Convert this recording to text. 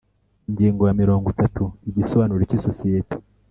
Ingingo ya mirongo itatu Igisobanuro cy isosiyete